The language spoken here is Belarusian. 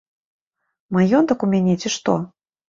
Маёнтак у мяне, ці што?